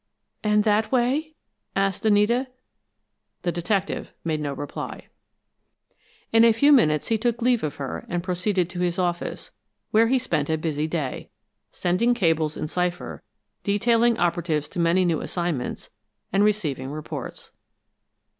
"And that way?" asked Anita. The detective made no reply. In a few minutes he took leave of her and proceeded to his office, where he spent a busy day, sending cables in cipher, detailing operatives to many new assignments and receiving reports.